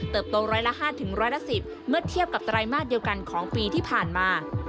โตร้อยละ๕ร้อยละ๑๐เมื่อเทียบกับไตรมาสเดียวกันของปีที่ผ่านมา